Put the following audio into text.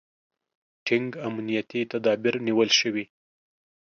ټینګ امنیتي تدابیر نیول شوي.